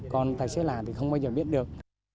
còn tài xế lạ thì không bao giờ biết được